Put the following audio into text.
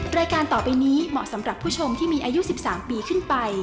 รายการต่อไปนี้เหมาะสำหรับผู้ชมที่มีอายุ๑๓ปีขึ้นไป